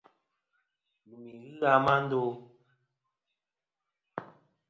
Lùmi ghɨ a ma ndo.